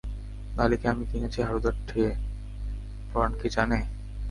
লালীকে আমি কিনেছি হারুদার ঠেয়ে, পরাণ কি জানে?